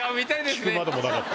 聞くまでもなかった。